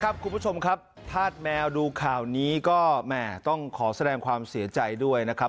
คุณผู้ชมครับธาตุแมวดูข่าวนี้ก็แหม่ต้องขอแสดงความเสียใจด้วยนะครับ